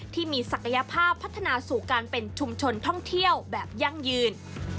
ที่มีศักยภาพพัฒนาสู่การเป็นชุมชนท่องเที่ยวแบบยั่งยืน